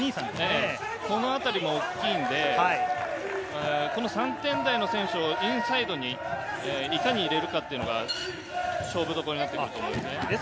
このあたりも大きいので３点台の選手をインサイドにいかに入れるかというのが勝負どころになってくると思います。